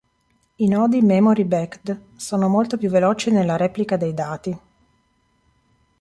I nodi Memory-backed sono molto più veloci nella replica dei dati.